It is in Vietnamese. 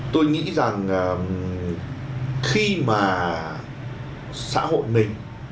tôi nghĩ rằng khi mà xã hội mình có những người